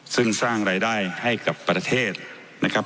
ซึ่งสร้างรายได้ให้กับประเทศนะครับ